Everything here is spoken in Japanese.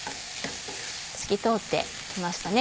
透き通って来ましたね。